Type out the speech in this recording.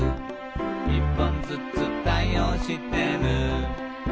「１本ずつ対応してる」